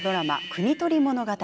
「国盗り物語」。